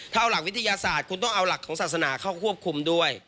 ถ้าเอาหลักวิทยาศาสตร์คุณต้องเอาหลักของศาสนาเข้าควบคุมด้วย